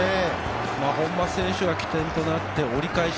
本間選手が基点となって折り返し。